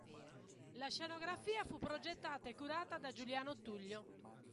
La scenografia fu progettata e curata da Giuliano Tullio.